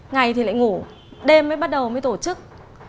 ngày thì lại ngủ đêm mới bắt đầu mới tổ chức